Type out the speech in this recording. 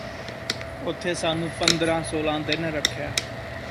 ਓਥੇ ਸਾਨੂੰ ਪੰਦਰਾਂ ਸੋਲਾਂ ਦਿਨ ਰੱਖਿਆ